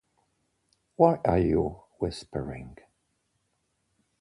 Why are you whispering?